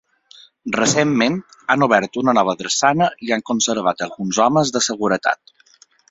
Recentment, han obert una nova drassana i han conservat alguns homes de seguretat.